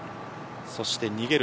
そして逃げる